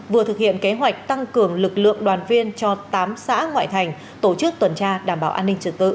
vừa thực hiện kế hoạch tăng cường lực lượng đoàn viên cho tám xã ngoại thành tổ chức tuần tra đảm bảo an ninh trật tự